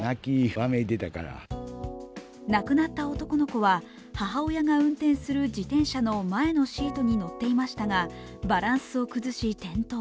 亡くなった男の子は母親が運転する自転車の前のシートに乗っていましたがバランスを崩し転倒。